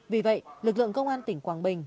vì vậy lực lượng công an tỉnh quảng bình